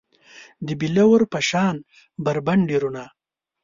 د بیلور په شان بربنډې رڼا